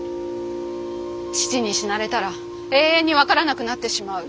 父に死なれたら永遠に分からなくなってしまう。